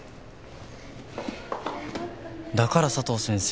だから佐藤先生